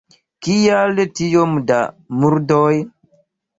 Kial tiom da murdoj?